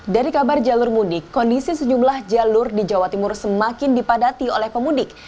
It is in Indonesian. dari kabar jalur mudik kondisi sejumlah jalur di jawa timur semakin dipadati oleh pemudik